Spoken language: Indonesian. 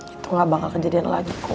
itu gak bakal kejadian lagi kok